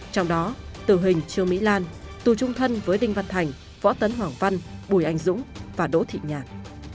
trong đó tử hình trương mỹ lan tù trung thân với đinh văn thành võ tấn hoàng văn bùi anh dũng và đỗ thị nhàn